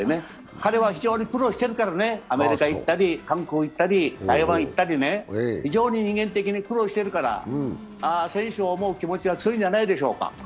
彼は非常に苦労しているからね、アメリカに行ったり韓国行ったり、台湾行ったり非常に人間的に苦労してるから、選手を思う気持ちは強いんじゃないでしょうか。